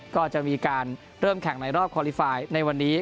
ก็จะมีการเริ่มแข่งในรอบคอลลิไฟล์ในวันนี้